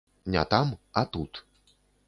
Не там, а тут.